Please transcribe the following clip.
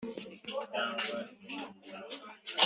Mr pilato abibonye atyo